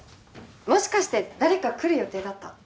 もしかして誰か来る予定だった？